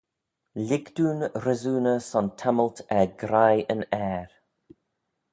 Lhig dooin resooney son tammylt er graih yn Ayr.